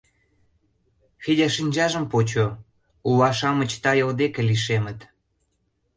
Федя шинчажым почо — ула-шамыч тайыл деке лишемыт.